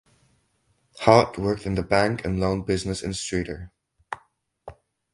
Hart worked in the bank and loan business in Streator.